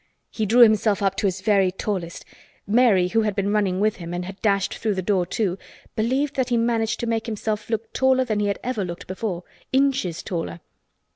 He drew himself up to his very tallest. Mary, who had been running with him and had dashed through the door too, believed that he managed to make himself look taller than he had ever looked before—inches taller.